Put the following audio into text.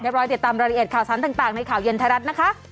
ร้อยติดตามรายละเอียดข่าวสารต่างในข่าวเย็นไทยรัฐนะคะ